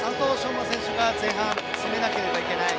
馬選手は前半、攻めなければいけない。